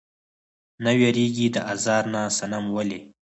نۀ ويريږي د ازار نه صنم ولې؟